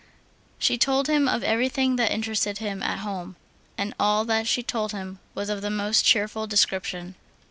She told him of everything that interested him at home; and all that she told him was of the most cheerful description.